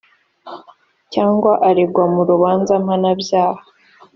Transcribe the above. cyangwa aregwa mu rubanza mpanabyaha